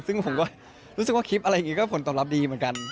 ซึ่งผมก็รู้สึกว่าคลิปอะไรอย่างนี้ก็ผลตอบรับดีเหมือนกัน